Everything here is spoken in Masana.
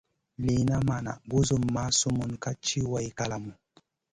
Lìna ma na guzumah sumun ka ci way kalamu.